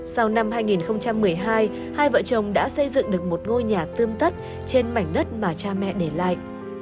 sau năm hai nghìn một mươi hai hai vợ chồng đã xây dựng được một ngôi nhà tươm tất trên mảnh đất mà cha mẹ để lại